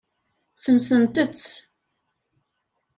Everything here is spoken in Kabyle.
Sensent-tt.